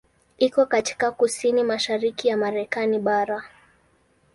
Iko katika kusini mashariki ya Marekani bara.